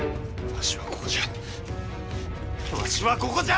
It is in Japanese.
わしはここじゃ。